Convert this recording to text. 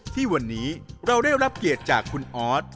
ที่วันนี้เราได้รับเกียรติจากคุณออส